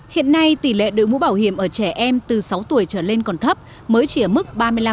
hiện nay tỷ lệ đội mũ bảo hiểm ở trẻ em từ sáu tuổi trở lên còn thấp mới chỉ ở mức ba mươi năm